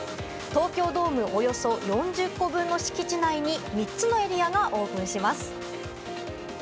東京ドームおよそ４０個分の敷地内に３つのエリアがオープンします。